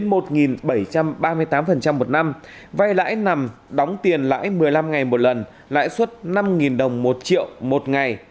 ba mươi tám một năm vay lãi nằm đóng tiền lãi một mươi năm ngày một lần lãi suất năm đồng một triệu một ngày